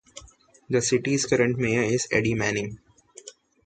The city's current mayor is Eddie Manning.